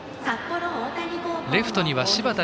レフトには柴田怜